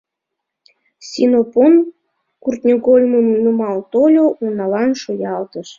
Синопон кӱртньыгольмым нумал тольо, уналан шуялтыш.